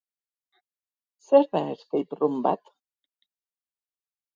Zer da escape room bat?